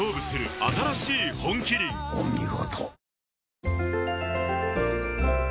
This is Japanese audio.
お見事。